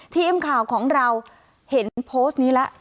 ทีมข่าวของเราเห็นโพสต์นี้แล้ว